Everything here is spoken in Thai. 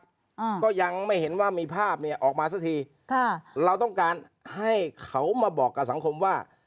อ่าก็ยังไม่เห็นว่ามีภาพเนี้ยออกมาสักทีค่ะเราต้องการให้เขามาบอกกับสังคมว่า